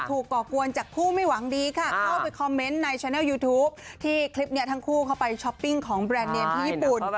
ก่อกวนจากคู่ไม่หวังดีค่ะเข้าไปคอมเมนต์ในแชนัลยูทูปที่คลิปนี้ทั้งคู่เข้าไปช้อปปิ้งของแบรนด์เนมที่ญี่ปุ่น